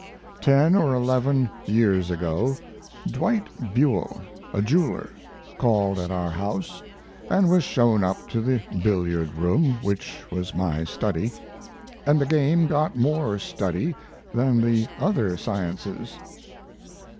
Ten or eleven years ago Dwight Buell, a jeweler, called at our house and was shown up to the billiard room which was my study; and the game got more study than the other sciences.